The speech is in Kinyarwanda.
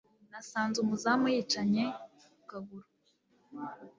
nasanze umuzimu yicanye ku kaguru